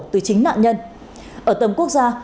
từ chính nạn nhân ở tầm quốc gia